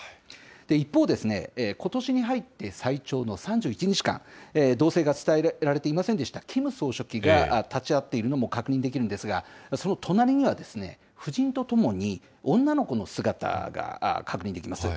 一方、ことしに入って最長の３１日間、動静が伝えられていませんでしたキム総書記が立ち会っているのも確認できるんですが、その隣には、夫人とともに女の子の姿が確認できます。